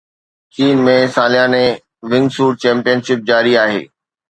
چين ۾ سالياني wingsuit championship جاري آهي